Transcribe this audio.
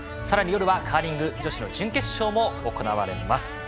さらに夜はカーリング女子の準決勝も行われます。